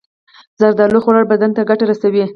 زردالو خوړل بدن ته ګټه رسوي.